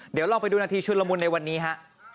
เดี๋ยวลองไปดูนาทีชุดละมุนในวันนี้ฮะ